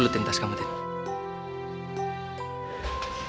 taruh dulu tas kamu tintin